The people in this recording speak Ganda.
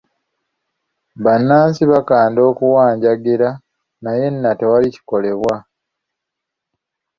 Bannansi baakanda kuwanjagira naye na tewali kikolebwa.